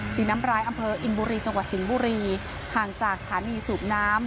น้ำร้ายอำเภออินบุรีจังหวัดสิงห์บุรีห่างจากสถานีสูบน้ำ